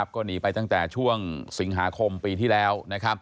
ก็หนีไปตั้งแต่ช่วงสิงหาคมปีที่แล้ว